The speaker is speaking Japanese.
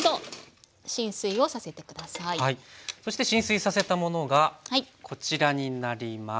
そして浸水させたものがこちらになります。